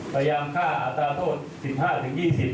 พยายามฆ่าอาตาโทษ๑๕๒๐จับปุ๊บตลอดชีวิต